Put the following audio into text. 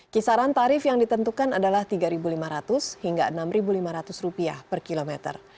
kisaran tarif yang ditentukan adalah rp tiga lima ratus hingga rp enam lima ratus per kilometer